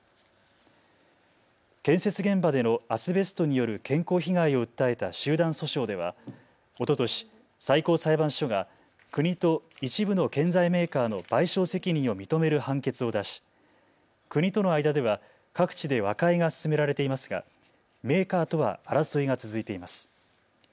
建設現場でのアスベストによる健康被害を訴えた集団訴訟ではおととし最高裁判所が国と一部の建材メーカーの賠償責任を認める判決を出し国との間では各地で和解が進められていますがメーカーとは争いが続いています。